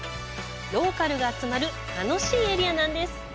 ローカルが集まる楽しいエリアなんです。